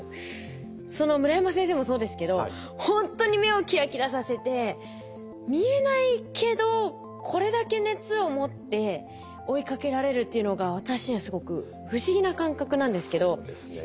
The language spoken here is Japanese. その村山先生もそうですけどほんとに目をキラキラさせて見えないけどこれだけ熱を持って追いかけられるっていうのが私にはすごく不思議な感覚なんですけどどういうモチベーションなんでしょうか？